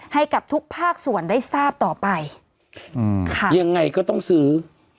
ให้กับทุกภาคส่วนได้ทราบต่อไปอืมค่ะยังไงก็ต้องซื้อ